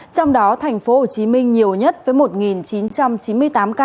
trong đó thành phố hồ chí minh nhiều nhất với một chín trăm chín mươi tám ca